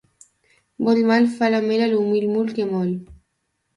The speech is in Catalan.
Molt mal fa la mel a l'humil mul que mol.